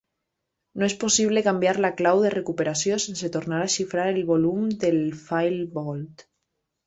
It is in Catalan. No és possible canviar la clau de recuperació sense tornar a xifrar el volum de FileVault.